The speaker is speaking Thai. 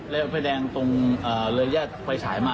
และไฟแดงเรือแล่วไฟฉายมา